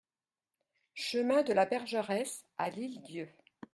Chemin de la Bergeresse à L'Île-d'Yeu